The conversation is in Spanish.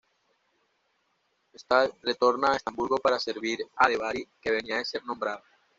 Stahl retorna a Estrasburgo para servir a de Bary que venía de ser nombrado.